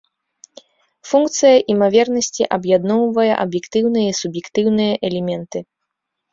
Функцыя імавернасці аб'ядноўвае аб'ектыўныя і суб'ектыўныя элементы.